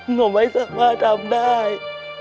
หนูไม่สามารถทำได้